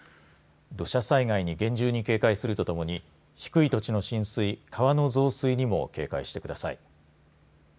土砂災害に厳重に警戒するとともに低い土地の浸水、川の増水にも警戒してください。